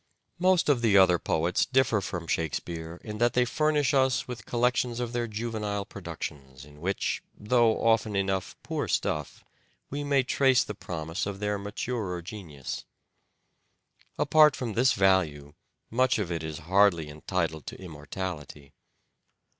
Most of the other poets differ from Shakespeare in that they furnish us with collections of their juvenile CHARACTER OF THE PROBLEM 99 productions in which, though often enough poor stuff, we may trace the promise of their maturer genius. Apart from this value, much of it is hardly entitled to immortality.